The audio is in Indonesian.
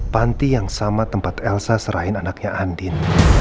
panti yang sama tempat elsa serahin anaknya andin